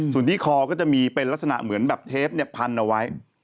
ส่วนที่คอก็จะมีเป็นลักษณะเหมือนแบบเทปพันเอาไว้